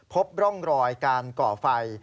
พบร่องรอยการก่อไฟ